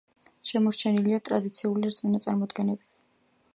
შემორჩენილია ტრადიციული რწმენა-წარმოდგენები.